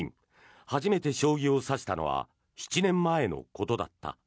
初めて将棋を指したのは７年前のことだった。